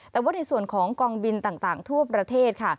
แต่ว่าในส่วนของกองบินต่างทั่วประเทศค่ะ